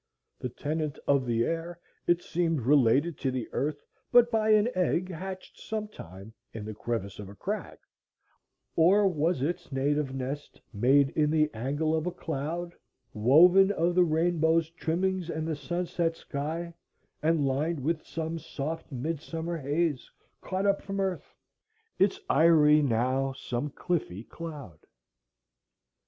The tenant of the air, it seemed related to the earth but by an egg hatched some time in the crevice of a crag;—or was its native nest made in the angle of a cloud, woven of the rainbow's trimmings and the sunset sky, and lined with some soft midsummer haze caught up from earth? Its eyry now some cliffy cloud.